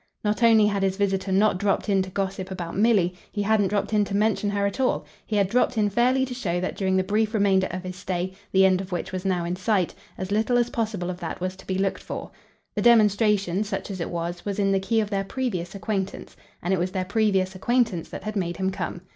Not only had his visitor not dropped in to gossip about Milly, he hadn't dropped in to mention her at all; he had dropped in fairly to show that during the brief remainder of his stay, the end of which was now in sight, as little as possible of that was to be looked for. The demonstration, such as it was, was in the key of their previous acquaintance, and it was their previous acquaintance that had made him come.